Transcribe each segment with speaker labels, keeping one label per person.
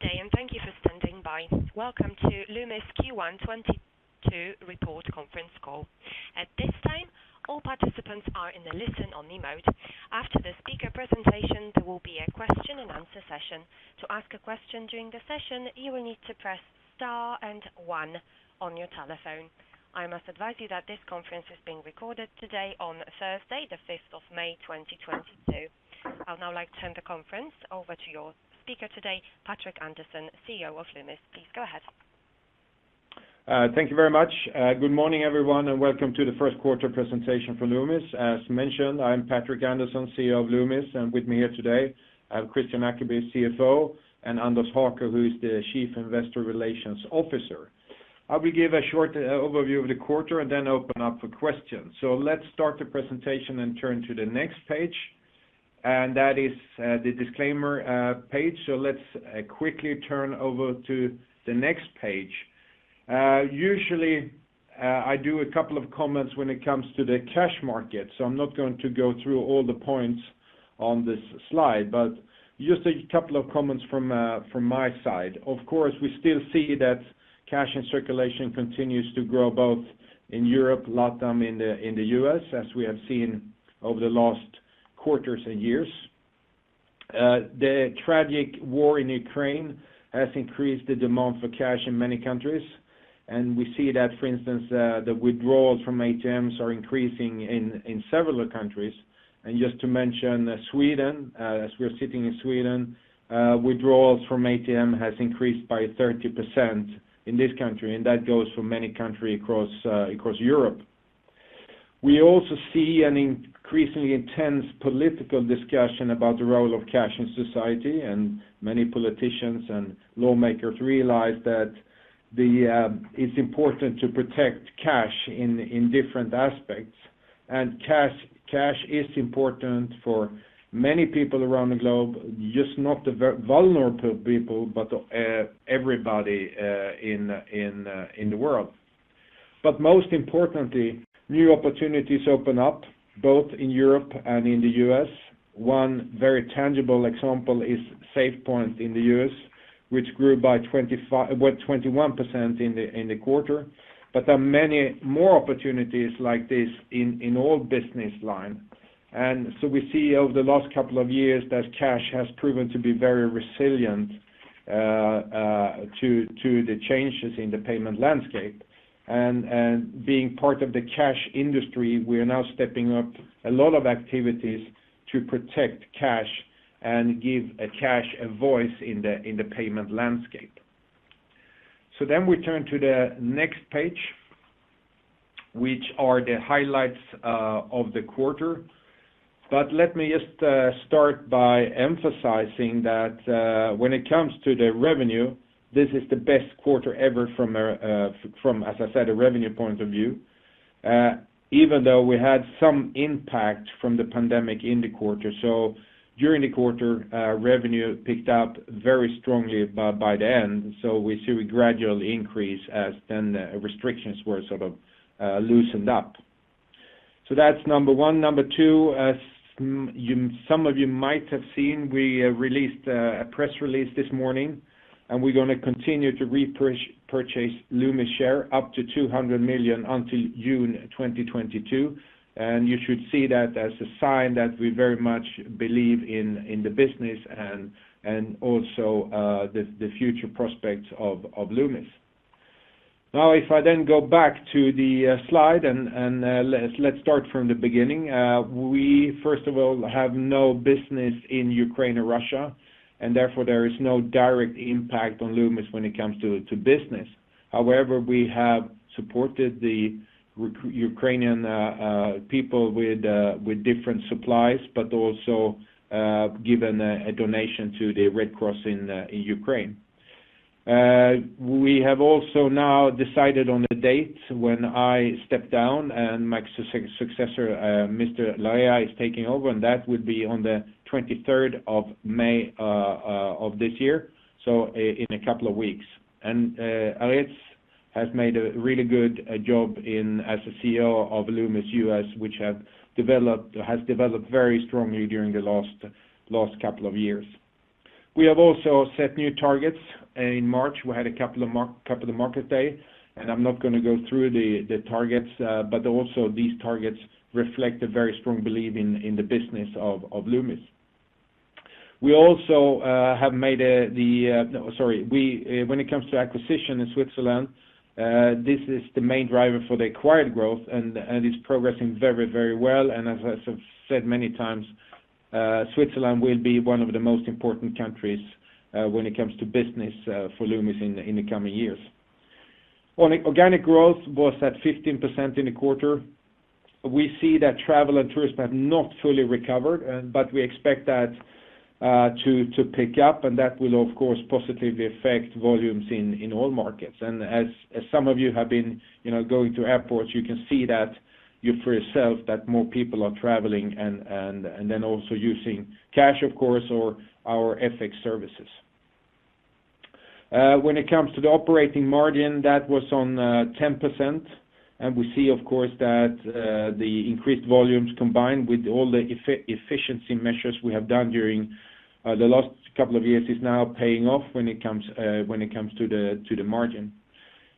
Speaker 1: Good day and thank you for standing by. Welcome to Loomis Q1 2022 report conference call. At this time, all participants are in a listen-only mode. After the speaker presentation, there will be a question-and-answer session. To ask a question during the session, you will need to press star and one on your telephone. I must advise you that this conference is being recorded today on Thursday, May 5th, 2022. I'd now like to turn the conference over to your speaker today, Patrik Andersson, CEO of Loomis. Please go ahead.
Speaker 2: Thank you very much. Good morning, everyone, and welcome to the first quarter presentation for Loomis. As mentioned, I'm Patrik Andersson, CEO of Loomis. With me here today, I have Kristian Ackeby, CFO, and Anders Haker, who is the Chief Investor Relations Officer. I will give a short overview of the quarter and then open up for questions. Let's start the presentation and turn to the next page. That is the disclaimer page. Let's quickly turn over to the next page. Usually, I do a couple of comments when it comes to the cash market, so I'm not going to go through all the points on this slide, but just a couple of comments from my side. Of course, we still see that cash in circulation continues to grow both in Europe, LATAM, in the U.S., as we have seen over the last quarters and years. The tragic war in Ukraine has increased the demand for cash in many countries, and we see that for instance, the withdrawals from ATMs are increasing in several countries. Just to mention Sweden, as we are sitting in Sweden, withdrawals from ATMs have increased by 30% in this country, and that goes for many countries across Europe. We also see an increasingly intense political discussion about the role of cash in society, and many politicians and lawmakers realize that it's important to protect cash in different aspects. Cash is important for many people around the globe, just not the vulnerable people, but everybody in the world. Most importantly, new opportunities open up both in Europe and in the U.S. One very tangible example is SafePoint in the U.S., which grew by 21% in the quarter, but there are many more opportunities like this in all business line. We see over the last couple of years that cash has proven to be very resilient to the changes in the payment landscape. Being part of the cash industry, we are now stepping up a lot of activities to protect cash and give cash a voice in the payment landscape. We turn to the next page, which are the highlights of the quarter. Let me just start by emphasizing that when it comes to the revenue, this is the best quarter ever from a from, as I said, a revenue point of view, even though we had some impact from the pandemic in the quarter. During the quarter, revenue picked up very strongly by the end. We see a gradual increase as then restrictions were sort of loosened up. That's number one. Number two, some of you might have seen, we released a press release this morning, and we're gonna continue to repurchase Loomis share up to 200 million until June 2022. You should see that as a sign that we very much believe in the business and also the future prospects of Loomis. Now, if I then go back to the slide and let's start from the beginning. We first of all have no business in Ukraine or Russia, and therefore there is no direct impact on Loomis when it comes to business. However, we have supported the Ukrainian people with different supplies but also given a donation to the Red Cross in Ukraine. We have also now decided on the date when I step down and my successor, Mr. Larrea, is taking over, and that would be on May 23rd, 2022. In a couple of weeks. Aritz has made a really good job as a CEO of Loomis U.S., which has developed very strongly during the last couple of years. We have also set new targets. In March, we had a couple of market days, and I'm not gonna go through the targets. These targets reflect a very strong belief in the business of Loomis. When it comes to acquisition in Switzerland, this is the main driver for the acquired growth, and it's progressing very well. As I have said many times, Switzerland will be one of the most important countries when it comes to business for Loomis in the coming years. Organic growth was at 15% in the quarter. We see that travel and tourism have not fully recovered, but we expect that to pick up, and that will, of course, positively affect volumes in all markets. As some of you have been, you know, going to airports, you can see that for yourself, that more people are traveling and then also using cash, of course, or our FX services. When it comes to the operating margin, that was on 10%. We see, of course, that the increased volumes combined with all the efficiency measures we have done during the last couple of years is now paying off when it comes to the margin.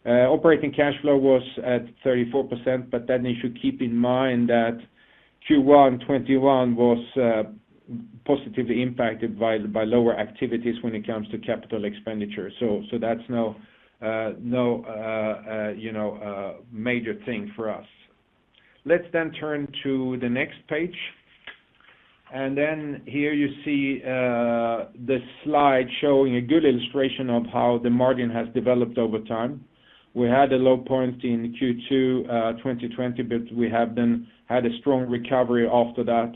Speaker 2: Operating cash flow was at 34%, but then you should keep in mind that Q1 2021 was positively impacted by lower activities when it comes to capital expenditure. That's no, you know, major thing for us. Let's then turn to the next page. Here you see the slide showing a good illustration of how the margin has developed over time. We had a low point in Q2 2020, but we have then had a strong recovery after that.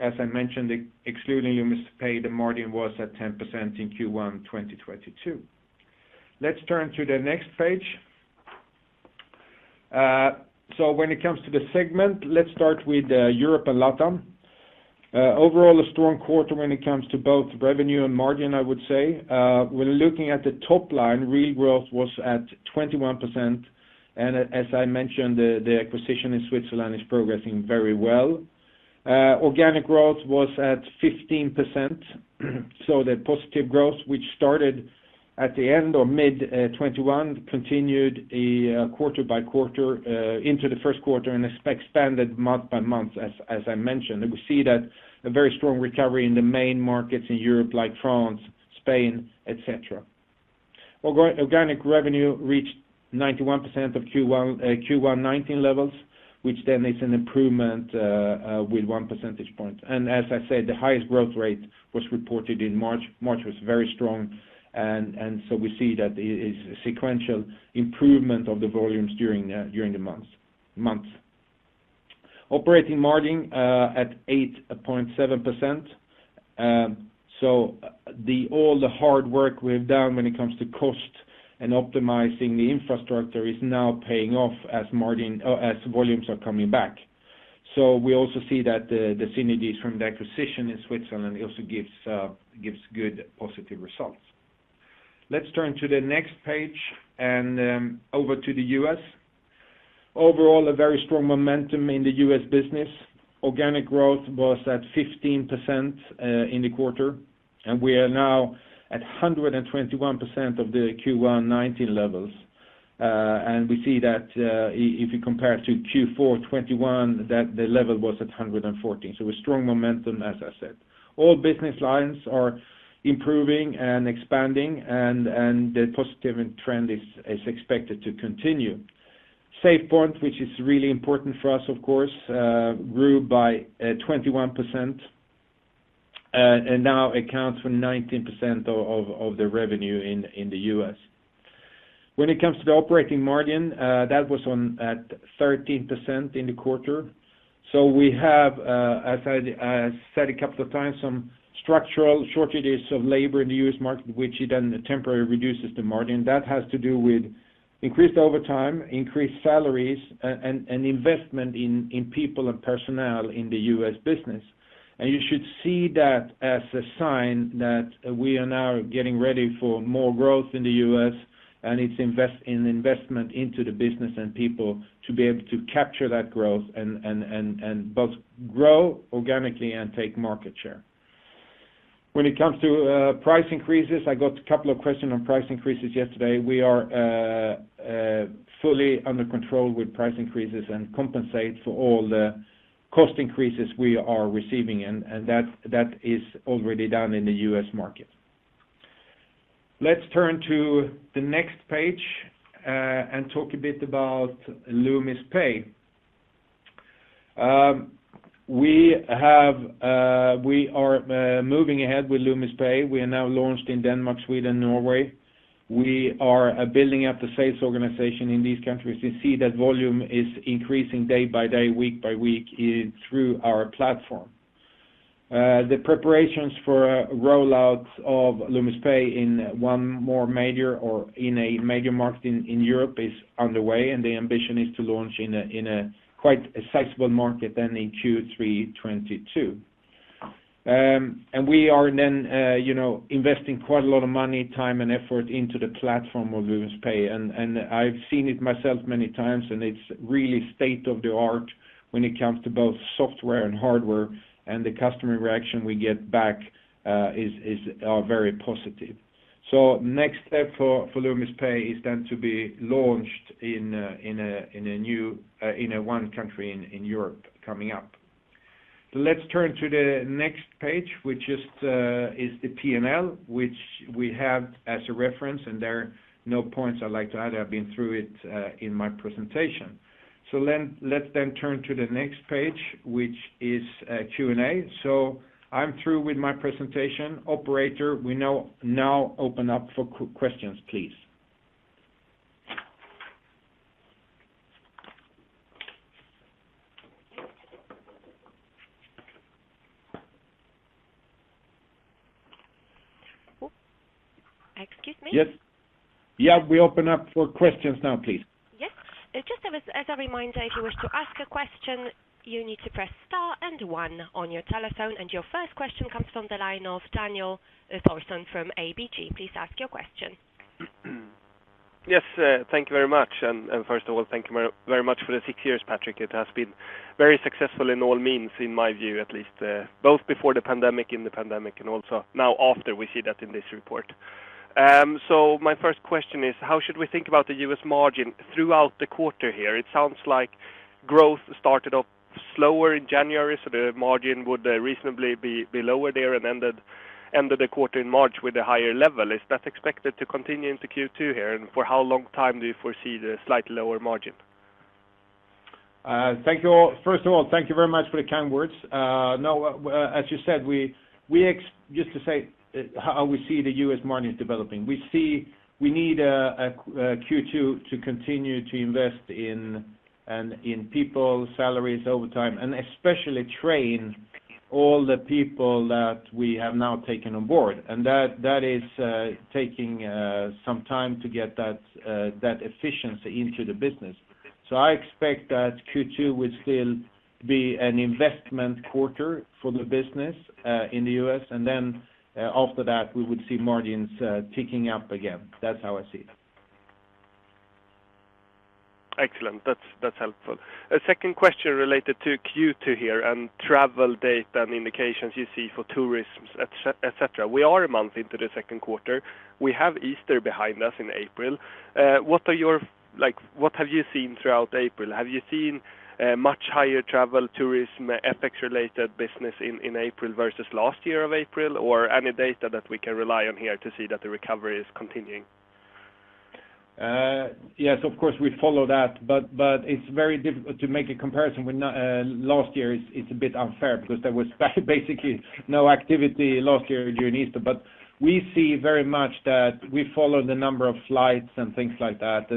Speaker 2: As I mentioned, excluding Loomis Pay, the margin was at 10% in Q1 2022. Let's turn to the next page. When it comes to the segment, let's start with Europe and LATAM. Overall a strong quarter when it comes to both revenue and margin, I would say. When looking at the top line, real growth was at 21%. As I mentioned, the acquisition in Switzerland is progressing very well. Organic growth was at 15%. The positive growth, which started at the end of mid-2021, continued quarter by quarter into the first quarter and expanded month by month, as I mentioned. We see a very strong recovery in the main markets in Europe, like France, Spain, etc. Organic revenue reached 91% of Q1 2019 levels, which is an improvement with one percentage point. As I said, the highest growth rate was reported in March. March was very strong. We see that it's a sequential improvement of the volumes during the months. Operating margin at 8.7%. All the hard work we've done when it comes to cost and optimizing the infrastructure is now paying off as volumes are coming back. We also see that the synergies from the acquisition in Switzerland also gives good positive results. Let's turn to the next page and over to the U.S. Overall, a very strong momentum in the U.S. business. Organic growth was at 15% in the quarter, and we are now at 121% of the Q1 2019 levels. We see that if you compare to Q4 2021, that the level was at 114%. A strong momentum, as I said. All business lines are improving and expanding, and the positive trend is expected to continue. SafePoint, which is really important for us, of course, grew by 21%. Now accounts for 19% of the revenue in the U.S. When it comes to the operating margin, that was on at 13% in the quarter. We have, as I said a couple of times, some structural shortages of labor in the U.S. market, which then temporarily reduces the margin. That has to do with increased overtime, increased salaries, and investment in people and personnel in the U.S. business. You should see that as a sign that we are now getting ready for more growth in the U.S., and it's investment into the business and people to be able to capture that growth and both grow organically and take market share. When it comes to price increases, I got a couple of questions on price increases yesterday. We are fully under control with price increases and compensate for all the cost increases we are receiving, and that is already done in the U.S. market. Let's turn to the next page and talk a bit about Loomis Pay. We are moving ahead with Loomis Pay. We are now launched in Denmark, Sweden, Norway. We are building up the sales organization in these countries. We see that volume is increasing day by day, week by week through our platform. The preparations for rollouts of Loomis Pay in one more major or in a major market in Europe is underway, and the ambition is to launch in a quite sizable market then in Q3 2022. We are then, you know, investing quite a lot of money, time, and effort into the platform of Loomis Pay. I've seen it myself many times, and it's really state-of-the-art when it comes to both software and hardware, and the customer reaction we get back is very positive. Next step for Loomis Pay is then to be launched in one country in Europe coming up. Let's turn to the next page, which is the P&L, which we have as a reference, and there are no points I'd like to add. I've been through it in my presentation. Let's turn to the next page, which is Q&A. I'm through with my presentation. Operator, we now open up for questions, please.
Speaker 1: Oh, excuse me.
Speaker 2: Yes. Yeah, we open up for questions now, please.
Speaker 1: Just as a reminder, if you wish to ask a question, you need to press star and one on your telephone. Your first question comes from the line of Daniel Thorsson from ABG, please ask your question.
Speaker 3: Yes, thank you very much. First of all, thank you very, very much for the six years, Patrik. It has been very successful in all means, in my view, at least, both before the pandemic, in the pandemic, and also now after we see that in this report. My first question is how should we think about the U.S. margin throughout the quarter here? It sounds like growth started off slower in January, so the margin would reasonably be lower there and ended the quarter in March with a higher level. Is that expected to continue into Q2 here? For how long time do you foresee the slightly lower margin?
Speaker 2: Thank you all. First of all, thank you very much for the kind words. Just to say how we see the U.S. margin developing. We see we need Q2 to continue to invest in people, salaries over time, and especially train all the people that we have now taken on board. That is taking some time to get that efficiency into the business. I expect that Q2 will still be an investment quarter for the business in the U.S. Then, after that, we would see margins ticking up again. That's how I see that.
Speaker 3: Excellent. That's helpful. A second question related to Q2 here and travel data and indications you see for tourism, et cetera. We are a month into the second quarter. We have Easter behind us in April. What have you seen throughout April? Have you seen much higher travel tourism FX-related business in April versus last year of April? Or any data that we can rely on here to see that the recovery is continuing?
Speaker 2: Yes, of course we follow that, but it's very difficult to make a comparison with last year. It's a bit unfair because there was basically no activity last year during Easter. We see very much that we follow the number of flights and things like that.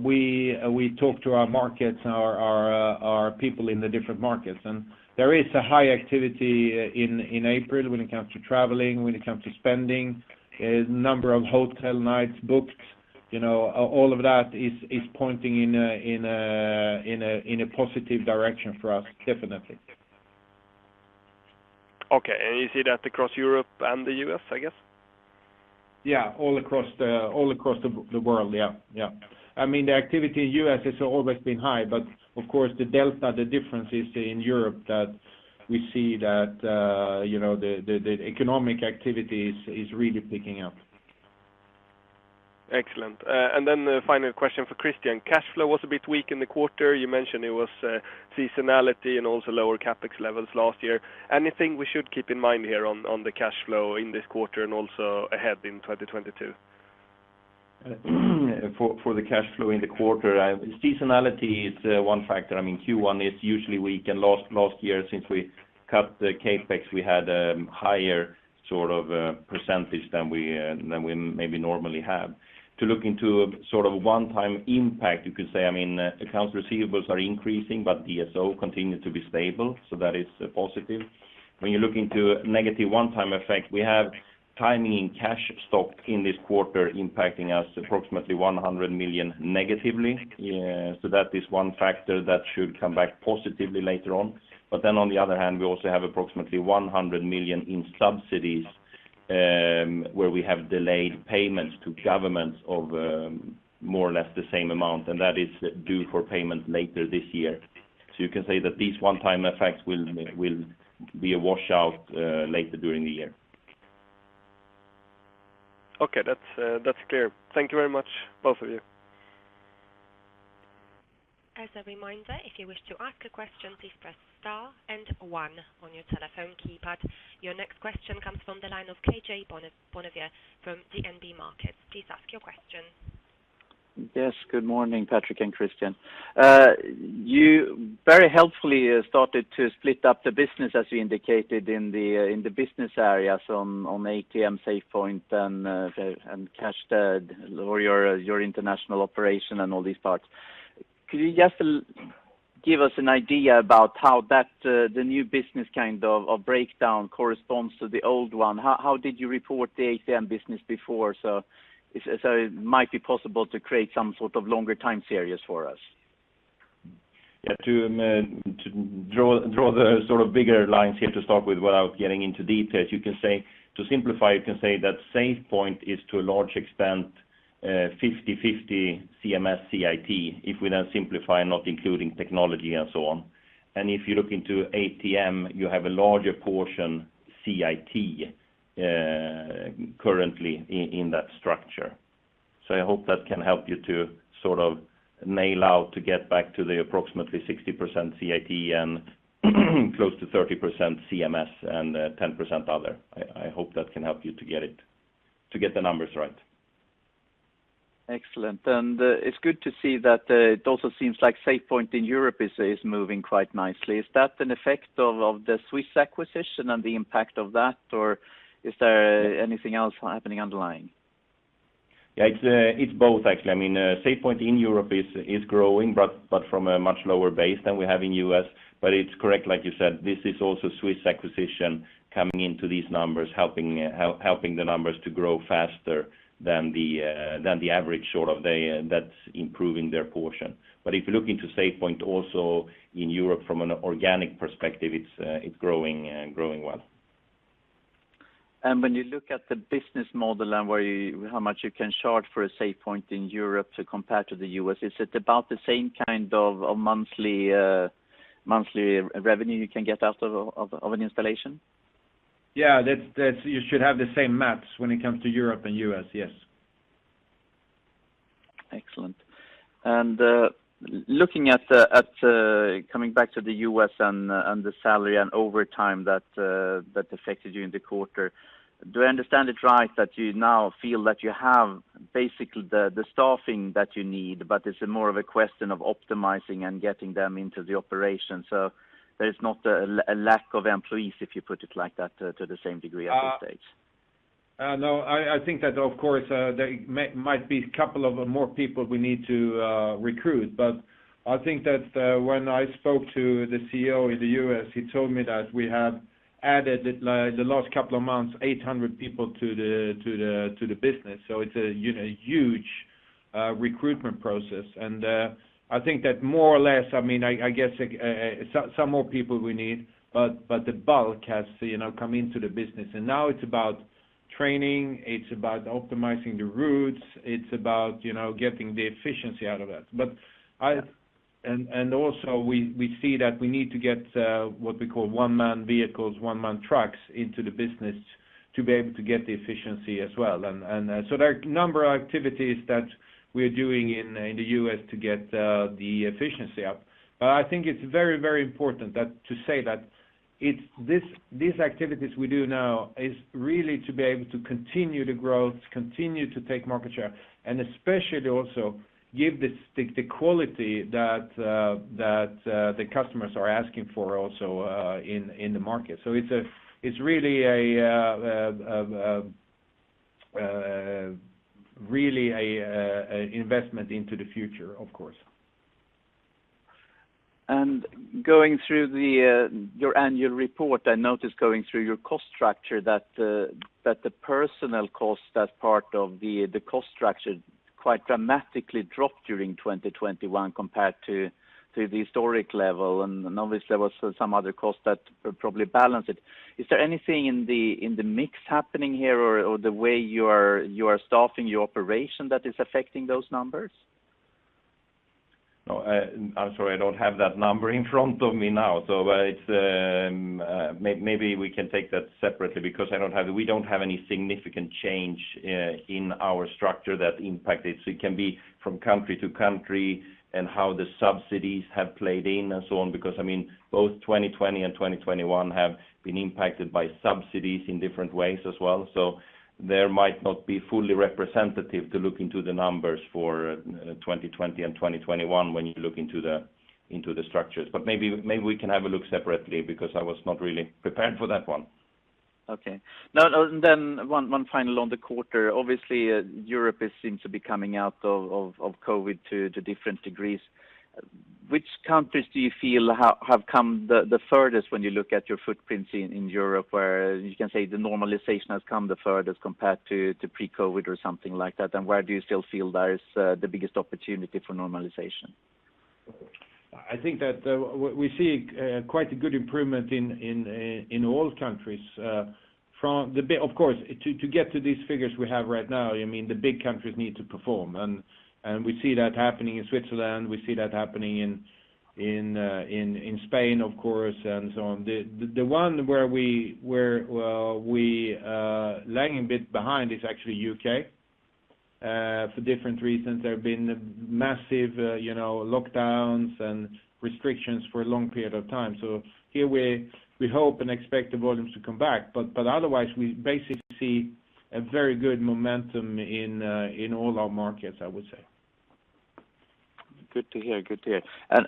Speaker 2: We talk to our markets, our people in the different markets, and there is a high activity in April when it comes to traveling, when it comes to spending, number of hotel nights booked. You know, all of that is pointing in a positive direction for us. Definitely.
Speaker 3: Okay. You see that across Europe and the U.S., I guess?
Speaker 2: Yeah. All across the world. Yeah, yeah. I mean, the activity in U.S. has always been high, but of course, the delta, the difference is in Europe that we see that, you know, the economic activity is really picking up.
Speaker 3: Excellent. The final question for Kristian. Cash flow was a bit weak in the quarter. You mentioned it was, seasonality and also lower CapEx levels last year. Anything we should keep in mind here on the cash flow in this quarter and also ahead in 2022?
Speaker 4: For the cash flow in the quarter, seasonality is one factor. I mean, Q1 is usually weak. Last year, since we cut the CapEx, we had higher sort of percentage than we maybe normally have. To look into sort of one-time impact, you could say, I mean, accounts receivables are increasing, but DSO continued to be stable, so that is positive. When you look into negative one-time effect, we have timing in cash stock in this quarter impacting us approximately 100 million negatively. That is one factor that should come back positively later on. On the other hand, we also have approximately 100 million in subsidies, where we have delayed payments to governments of more or less the same amount, and that is due for payment later this year. You can say that these one-time effects will be a washout later during the year.
Speaker 3: Okay. That's clear. Thank you very much, both of you.
Speaker 1: As a reminder, if you wish to ask a question, please press star and one on your telephone keypad. Your next question comes from the line of KJ Bonnevier from DNB Markets. Please ask your question.
Speaker 5: Yes. Good morning, Patrik and Kristian. You very helpfully started to split up the business as you indicated in the business areas on ATM, SafePoint, and International, or your international operation and all these parts. Could you just give us an idea about how that the new business kind of breakdown corresponds to the old one? How did you report the ATM business before? It might be possible to create some sort of longer time series for us.
Speaker 4: Yeah. To draw the sort of bigger lines here to start with without getting into details, you can say, to simplify, you can say that SafePoint is to a large extent, 50/50 CMS, CIT, if we now simplify not including technology and so on. If you look into ATM, you have a larger portion CIT, currently in that structure. I hope that can help you to sort of nail down to get back to the approximately 60% CIT and close to 30% CMS and, 10% other. I hope that can help you to get the numbers right.
Speaker 5: Excellent. It's good to see that it also seems like SafePoint in Europe is moving quite nicely. Is that an effect of the Swiss acquisition and the impact of that, or is there anything else happening underlying?
Speaker 4: Yeah, it's both actually. I mean, SafePoint in Europe is growing, but from a much lower base than we have in U.S. It's correct, like you said, this is also Swiss acquisition coming into these numbers, helping the numbers to grow faster than the average, sort of, that's improving their portion. If you look into SafePoint also in Europe from an organic perspective, it's growing and growing well.
Speaker 5: When you look at the business model and how much you can charge for a SafePoint in Europe to compare to the U.S., is it about the same kind of monthly revenue you can get out of an installation?
Speaker 2: Yeah. That's. You should have the same maps when it comes to Europe and U.S., yes.
Speaker 5: Excellent. Looking at coming back to the U.S. and the salary and overtime that affected you in the quarter, do I understand it right that you now feel that you have basically the staffing that you need, but it's more of a question of optimizing and getting them into the operation? There is not a lack of employees, if you put it like that, to the same degree at this stage?
Speaker 2: No, I think that, of course, there might be a couple of more people we need to recruit, but I think that when I spoke to the CEO in the U.S., he told me that we have added the last couple of months, 800 people to the business. It's, you know, a huge recruitment process. I think that more or less, I mean, I guess some more people we need, but the bulk has, you know, come into the business. Now it's about training, it's about optimizing the routes, it's about, you know, getting the efficiency out of that. Also, we see that we need to get what we call one-man vehicles, one-man trucks into the business to be able to get the efficiency as well. So, there are a number of activities that we're doing in the U.S. to get the efficiency up. I think it's very, very important to say that these activities we do now is really to be able to continue to grow, to continue to take market share, and especially also give the quality that the customers are asking for also in the market. it's really a investment into the future, of course.
Speaker 5: Going through your annual report, I noticed going through your cost structure that the personnel cost as part of the cost structure quite dramatically dropped during 2021 compared to the historic level. Obviously, there was some other costs that probably balance it. Is there anything in the mix happening here or the way you are staffing your operation that is affecting those numbers?
Speaker 4: No. I'm sorry, I don't have that number in front of me now. It's maybe we can take that separately because we don't have any significant change in our structure that impact it. It can be from country to country and how the subsidies have played in and so on, because, I mean, both 2020 and 2021 have been impacted by subsidies in different ways as well. There might not be fully representative to look into the numbers for 2020 and 2021 when you look into the structures. Maybe we can have a look separately because I was not really prepared for that one.
Speaker 5: Okay. Now one final on the quarter. Obviously, Europe seems to be coming out of COVID to different degrees. Which countries do you feel have come the furthest when you look at your footprints in Europe, where you can say the normalization has come the furthest compared to pre-COVID or something like that? Where do you still feel there is the biggest opportunity for normalization?
Speaker 2: I think that we see quite a good improvement in all countries from the beginning, of course, to get to these figures we have right now. I mean, the big countries need to perform. We see that happening in Switzerland. We see that happening in Spain, of course, and so on. The one where we are lagging a bit behind is actually U.K. for different reasons. There have been massive, you know, lockdowns and restrictions for a long period of time. Here we hope and expect the volumes to come back. Otherwise, we basically see a very good momentum in all our markets, I would say.
Speaker 5: Good to hear.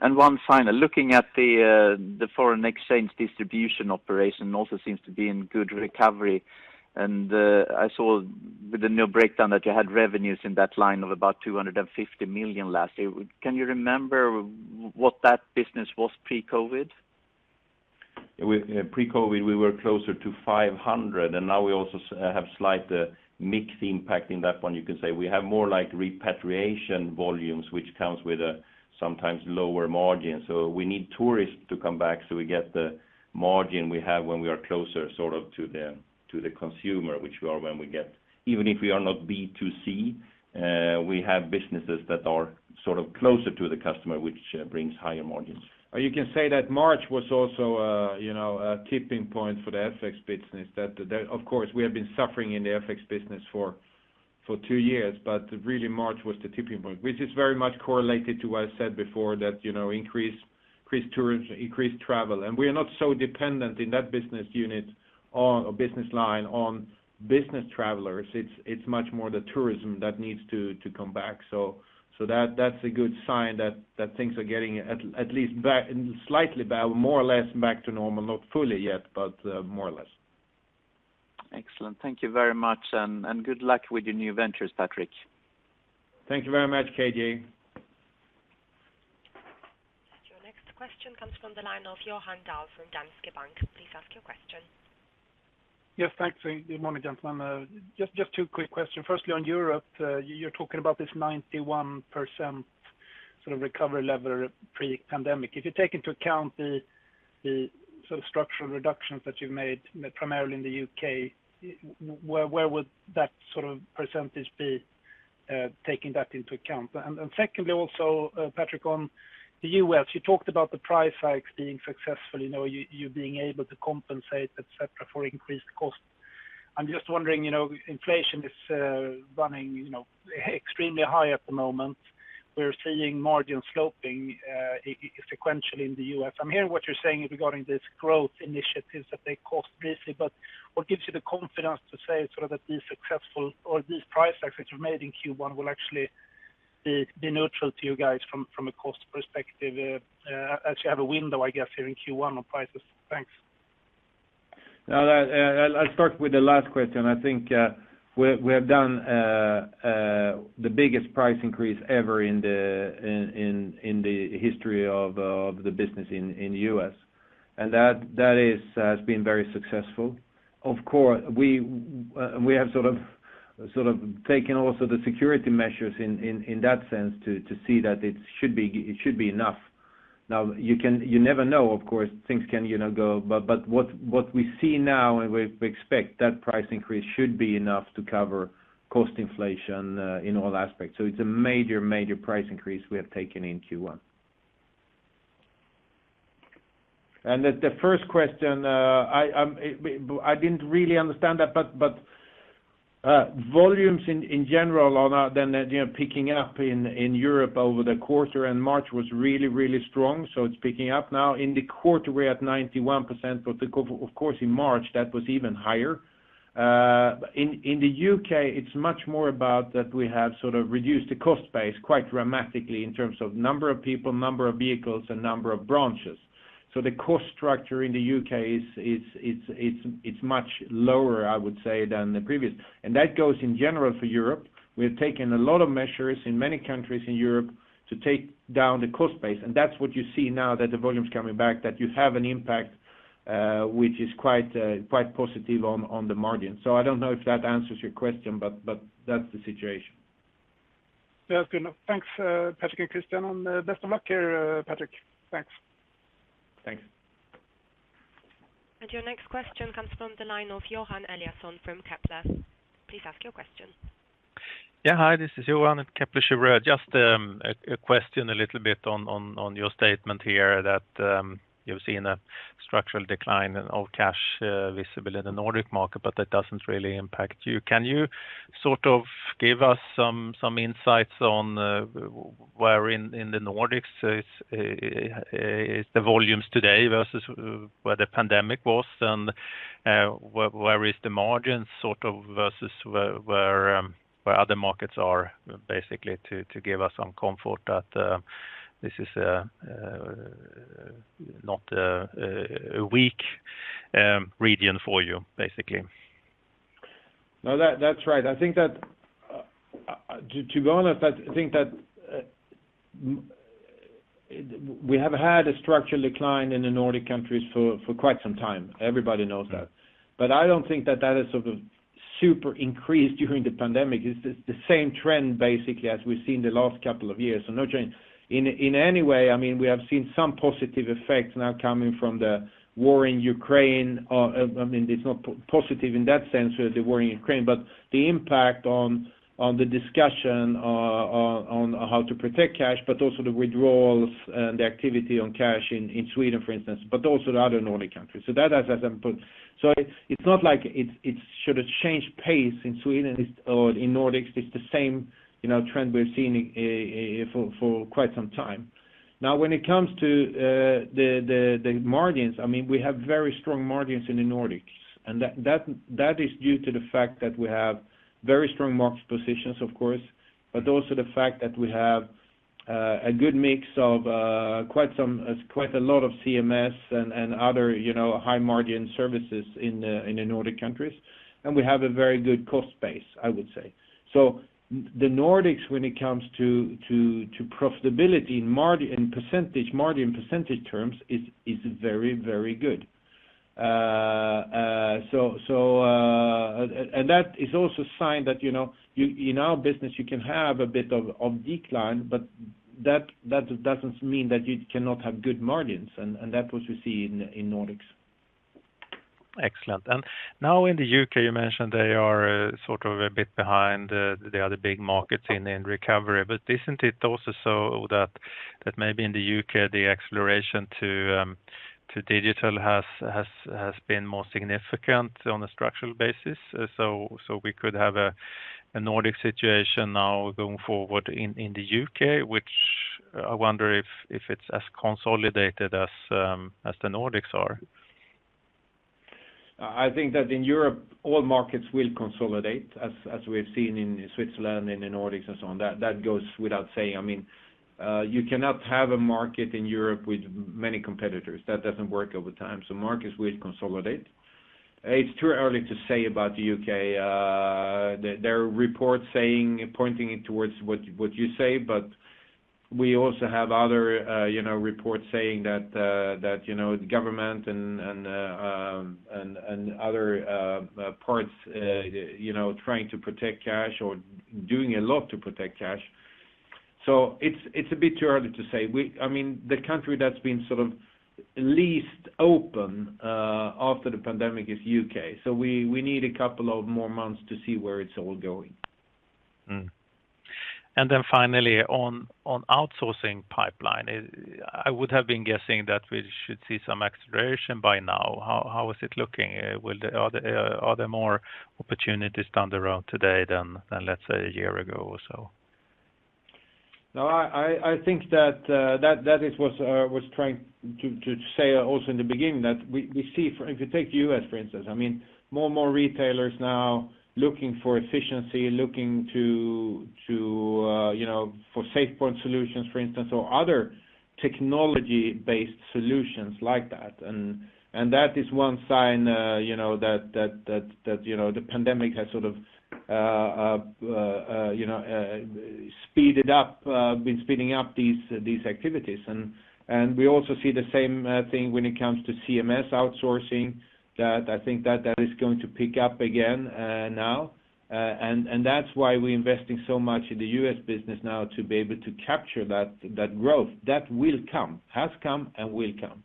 Speaker 5: One final. Looking at the foreign exchange distribution operation also seems to be in good recovery. I saw with the new breakdown that you had revenues in that line of about 250 million last year. Can you remember what that business was pre-COVID?
Speaker 4: With pre-COVID, we were closer to 500 million, and now we also have slight mix impact in that one. You can say we have more like repatriation volumes, which comes with a sometimes lower margin. We need tourists to come back, so we get the margin we have when we are closer sort of to the consumer, which we are when we get. Even if we are not B2C, we have businesses that are sort of closer to the customer, which brings higher margins.
Speaker 2: You can say that March was also a tipping point for the FX business, that of course we have been suffering in the FX business for two years, but really March was the tipping point, which is very much correlated to what I said before, that you know increased tourism, increased travel. We are not so dependent in that business unit or business line on business travelers. It's much more the tourism that needs to come back. That's a good sign that things are getting at least back, slightly back, more or less back to normal. Not fully yet, but more or less.
Speaker 5: Excellent. Thank you very much. Good luck with your new ventures, Patrik.
Speaker 2: Thank you very much, KJ.
Speaker 1: The next question comes from the line of Johan Dahl from Danske Bank. Please ask your question.
Speaker 6: Yes, thanks. Good morning, gentlemen. Just two quick questions. Firstly, on Europe, you're talking about this 91% sort of recovery level pre-pandemic. If you take into account the sort of structural reductions that you've made primarily in the U.K., where would that sort of percentage be, taking that into account? Secondly, also, Patrik, on the U.S., you talked about the price hikes being successful, you know, you being able to compensate, et cetera, for increased costs. I'm just wondering, you know, inflation is running, you know, extremely high at the moment. We're seeing margin sloping sequentially in the U.S. I'm hearing what you're saying regarding these growth initiatives that they cost briefly, but what gives you the confidence to say sort of that these successful or these price hikes that you've made in Q1 will actually be neutral to you guys from a cost perspective? Actually have a window, I guess, here in Q1 on prices. Thanks.
Speaker 2: No, I'll start with the last question. I think we have done the biggest price increase ever in the history of the business in the U.S., and that has been very successful. Of course, we have sort of taken also the security measures in that sense to see that it should be enough. You never know, of course, things can, you know, go, but what we see now and we expect that price increase should be enough to cover cost inflation in all aspects. It's a major price increase we have taken in Q1. The first question, I didn't really understand that, but volumes in general are now then, you know, picking up in Europe over the quarter, and March was really strong, so it's picking up now. In the quarter, we're at 91%, but of course in March, that was even higher. In the U.K., it's much more about that we have sort of reduced the cost base quite dramatically in terms of number of people, number of vehicles and number of branches. So the cost structure in the U.K. is much lower, I would say, than the previous. That goes in general for Europe. We have taken a lot of measures in many countries in Europe to take down the cost base, and that's what you see now that the volume's coming back, that you have an impact, which is quite positive on the margin. I don't know if that answers your question, but that's the situation.
Speaker 6: That's good enough. Thanks, Patrik and Kristian, and best of luck here, Patrik. Thanks.
Speaker 2: Thanks.
Speaker 1: Your next question comes from the line of Johan Eliason from Kepler. Please ask your question.
Speaker 7: Yeah. Hi, this is Johan at Kepler Cheuvreux. Just a question a little bit on your statement here that you've seen a structural decline in all cash visibility in the Nordic market, but that doesn't really impact you. Can you sort of give us some insights on where in the Nordics is the volumes today versus where the pandemic was? And where is the margin sort of versus where other markets are basically to give us some comfort that this is not a weak region for you, basically.
Speaker 2: No, that's right. I think that to be honest, I think that we have had a structural decline in the Nordic countries for quite some time. Everybody knows that. I don't think that is sort of super increased during the pandemic. It's the same trend basically as we've seen the last couple of years. No change in any way. I mean, we have seen some positive effects now coming from the war in Ukraine. I mean, it's not positive in that sense with the war in Ukraine, but the impact on the discussion on how to protect cash, but also the withdrawals and the activity on cash in Sweden, for instance, but also the other Nordic countries. That has had some pull. It's not like it should have changed pace in Sweden or in Nordics. It's the same, you know, trend we've seen for quite some time. Now when it comes to the margins, I mean, we have very strong margins in the Nordics, and that is due to the fact that we have very strong market positions of course, but also the fact that we have a good mix of quite some, quite a lot of CMS and other, you know, high margin services in the Nordic countries. We have a very good cost base, I would say. The Nordics when it comes to profitability margin percentage terms is very good. That is also a sign that, you know, in our business you can have a bit of decline, but that doesn't mean that you cannot have good margins and that's what you see in Nordics.
Speaker 7: Excellent. Now in the U.K., you mentioned they are sort of a bit behind the other big markets in recovery. Isn't it also so that maybe in the U.K. the exposure to digital has been more significant on a structural basis? We could have a Nordic situation now going forward in the U.K., which I wonder if it's as consolidated as the Nordics are.
Speaker 2: I think that in Europe, all markets will consolidate, as we have seen in Switzerland and in Nordics and so on. That goes without saying. I mean, you cannot have a market in Europe with many competitors. That doesn't work over time. Markets will consolidate. It's too early to say about the U.K. There are reports saying, pointing towards what you say, but we also have other, you know, reports saying that, you know, the government and other parts, you know, trying to protect cash or doing a lot to protect cash. It's a bit too early to say. I mean, the country that's been sort of least open, after the pandemic is U.K. We need a couple of more months to see where it's all going.
Speaker 7: Finally on outsourcing pipeline. I would have been guessing that we should see some acceleration by now. How is it looking? Are there more opportunities around today than, let's say, a year ago or so?
Speaker 2: No, I think that that is what I was trying to say also in the beginning, that we see if you take the U.S., for instance, I mean, more and more retailers now looking for efficiency, looking to you know, for SafePoint solutions, for instance, or other technology-based solutions like that. That is one sign you know, that you know, the pandemic has sort of you know, speeded up been speeding up these activities. We also see the same thing when it comes to CMS outsourcing that I think that that is going to pick up again now. That's why we're investing so much in the U.S. business now to be able to capture that growth. That will come, has come and will come.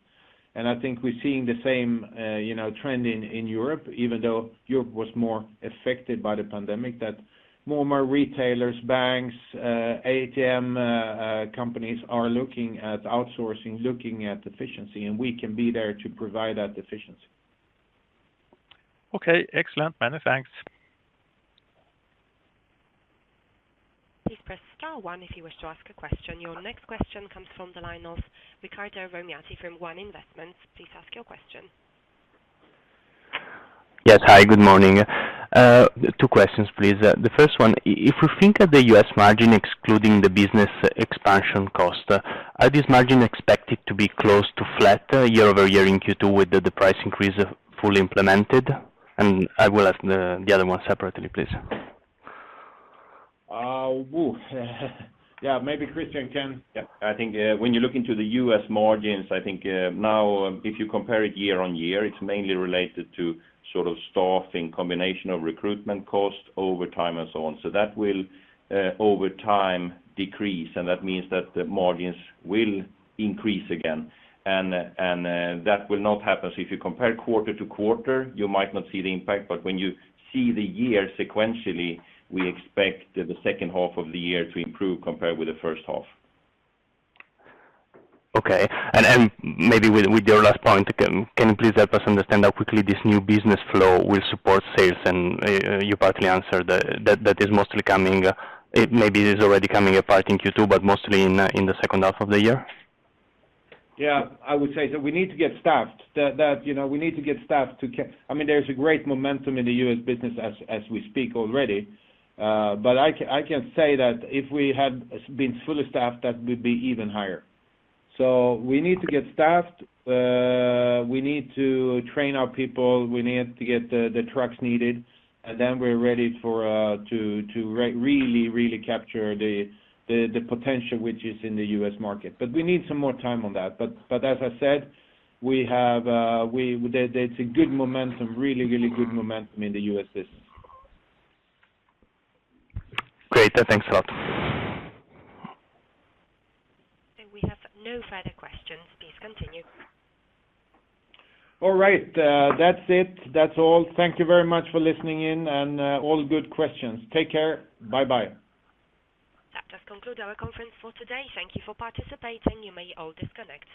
Speaker 2: I think we're seeing the same, you know, trend in Europe, even though Europe was more affected by the pandemic, that more and more retailers, banks, ATM, companies are looking at outsourcing, looking at efficiency, and we can be there to provide that efficiency.
Speaker 7: Okay, excellent. Many thanks.
Speaker 1: Please press star one if you wish to ask a question. Your next question comes from the line of [Ricardo Romito] from One Investments. Please ask your question.
Speaker 8: Yes. Hi, good morning. Two questions, please. The first one, if we think of the U.S. margin excluding the business expansion cost, are this margin expected to be close to flat year-over-year in Q2 with the price increase fully implemented? I will ask the other one separately, please.
Speaker 2: Whoa. Yeah, maybe Kristian can.
Speaker 4: Yeah. I think, when you look into the U.S. margins, I think, now if you compare it year-on-year, it's mainly related to sort of staffing, combination of recruitment costs over time and so on. That will over time decrease, and that means that the margins will increase again. That will not happen. If you compare quarter-to-quarter, you might not see the impact. When you see the year sequentially, we expect the second half of the year to improve compared with the first half.
Speaker 8: Okay. Maybe with your last point, can you please help us understand how quickly this new business flow will support sales? You partly answered that that is mostly coming in part in Q2, but mostly in the second half of the year.
Speaker 2: Yeah. I would say that we need to get staffed. You know, we need to get staffed. I mean, there's a great momentum in the U.S. business as we speak already. I can say that if we had been fully staffed, that would be even higher. We need to get staffed. We need to train our people, we need to get the trucks needed, and then we're ready to really capture the potential which is in the U.S. market. We need some more time on that. As I said, there's a good momentum, really good momentum in the U.S. business.
Speaker 8: Great. Thanks a lot.
Speaker 1: We have no further questions. Please continue.
Speaker 2: All right, that's it. That's all. Thank you very much for listening in, and all good questions. Take care. Bye-bye.
Speaker 1: That does conclude our conference for today. Thank you for participating. You may all disconnect.